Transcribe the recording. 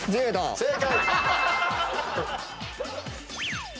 正解！